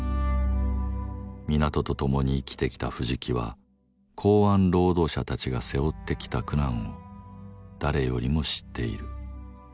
港と共に生きてきた藤木は港湾労働者たちが背負ってきた苦難を誰よりも知っている。